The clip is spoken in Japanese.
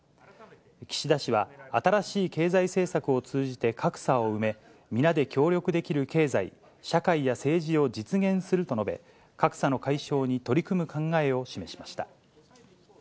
岸田氏は新しい経済政策を通じて格差を埋め、皆で協力できる経済、社会や政治を実現すると述べ、格差の解消に取り組む考えを示しました。